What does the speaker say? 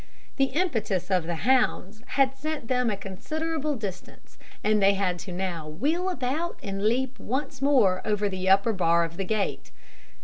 The impetus of the hounds had sent them a considerable distance, and they had now to wheel about and leap once more over the upper bar of the gate.